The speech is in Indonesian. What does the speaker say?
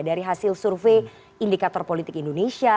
dari hasil survei indikator politik indonesia